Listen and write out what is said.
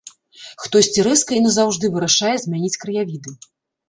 Хтосьці рэзка і назаўжды вырашае змяніць краявіды.